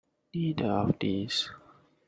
Neither of these.